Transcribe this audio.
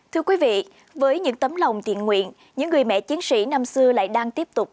thưa quý vị với những tấm lòng thiện nguyện những người mẹ chiến sĩ năm xưa lại đang tiếp tục